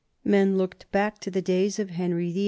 Men looked back to the days of Henry VIII.